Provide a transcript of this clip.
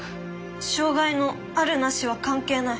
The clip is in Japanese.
「障がいのあるなしは関係ない」。